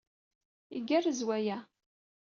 Igerrez waya!